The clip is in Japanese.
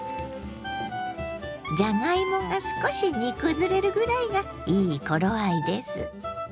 じゃがいもが少し煮崩れるぐらいがいい頃合いです。